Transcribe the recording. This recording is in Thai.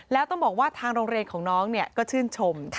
แล้วต้องบอกว่าทางโรงเรียนของน้องก็ชื่นชม